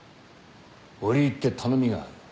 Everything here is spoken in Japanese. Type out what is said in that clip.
折り入って頼みがある。